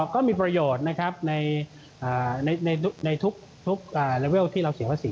ก็มีประโยชน์ในทุกระดับที่เราเสียภาษี